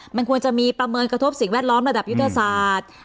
มันควรจะมีประเมินกระทบสิ่งแวดล้อมระดับยุทธศาสตร์